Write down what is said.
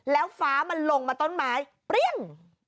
แล้วฟ้ามันลงมาต้นไม้เปรี้ยง